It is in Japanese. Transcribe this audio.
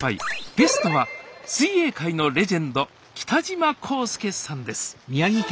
ゲストは水泳界のレジェンド北島康介さんです